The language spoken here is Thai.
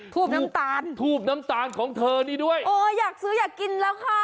ทูบน้ำตาลทูบน้ำตาลของเธอนี่ด้วยโอ้อยากซื้ออยากกินแล้วค่ะ